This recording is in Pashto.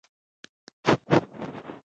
د چېنو سپینه بلورینه خندا